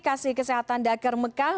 kasih kesehatan dakar mekah